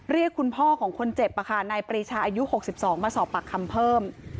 เรียกคุณพ่อของคนเจ็บนายปรีชาอายุ๖๒มาสอบปากคำเพิ่ม